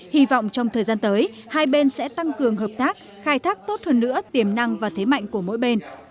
hy vọng trong thời gian tới hai bên sẽ tăng cường hợp tác khai thác tốt hơn nữa tiềm năng và thế mạnh của mỗi bên